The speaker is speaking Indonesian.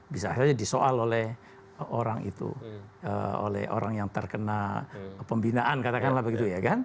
bisa saja disoal oleh orang itu oleh orang yang terkena pembinaan katakanlah begitu ya kan